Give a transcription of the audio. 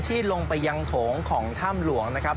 ลงไปยังโถงของถ้ำหลวงนะครับ